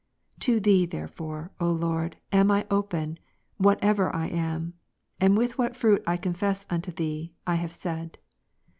To Thee therefore, O Lord, am I open, whatever lam ; and with what fruit I confess unto Thee, I have said.